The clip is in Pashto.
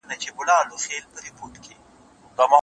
ایا څېړنه د منطقي دلیل غوښتنه کوي؟